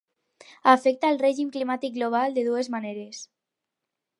Afecta el règim climàtic global de dues maneres.